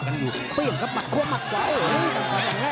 ออกมาอย่างแรกนะโอเคนะ